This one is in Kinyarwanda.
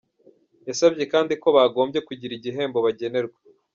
Yasabye kandi ko bagombye kugira igihembo bagenerwa.